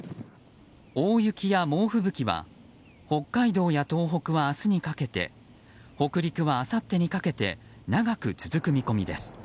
大雪や猛吹雪は北海道や東北は明日にかけて北陸はあさってにかけて長く続く見込みです。